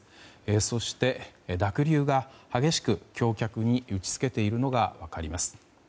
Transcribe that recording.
そして濁流が激しく橋脚に打ち付けているのが分かります。